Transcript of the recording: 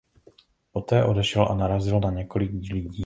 Poté odešel a narazil na několik lidí.